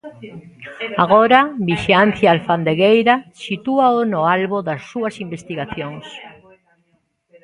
Agora Vixiancia Alfandegueira sitúao no albo das súas investigacións.